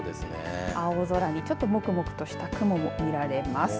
青空にもくもくとした雲が見られます。